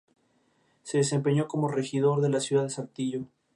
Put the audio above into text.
El hombre le dio su palabra de no venderla a nadie más.